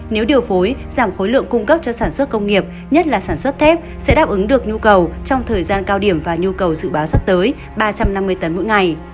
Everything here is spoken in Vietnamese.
nếu điều phối giảm khối lượng cung cấp cho sản xuất công nghiệp nhất là sản xuất thép sẽ đáp ứng được nhu cầu trong thời gian cao điểm và nhu cầu dự báo sắp tới ba trăm năm mươi tấn mỗi ngày